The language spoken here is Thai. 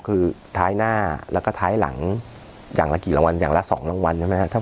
คือท้ายหน้าแล้วก็ท้ายหลังอย่างละกี่รางวัลอย่างละ๒รางวัลใช่ไหมครับ